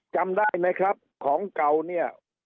จำได้ไหมครับของเก่าเนี่ย